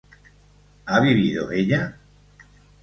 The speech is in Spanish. ¿ha vivido ella?